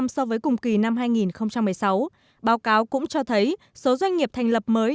so với cùng kỳ năm hai nghìn một mươi sáu báo cáo cũng cho thấy số doanh nghiệp thành lập mới